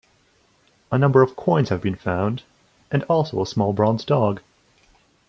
A number of coins have been found and also a small bronze dog.